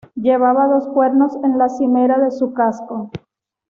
Llevaba dos cuernos en la cimera de su casco.